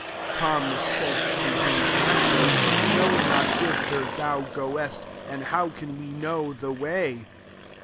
5 Thomas said to him^ " Mas ter, we know ^ot ''whither thou goest ; and how can we know the way?"